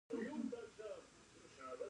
آیا بزګران سولر پمپونه کاروي؟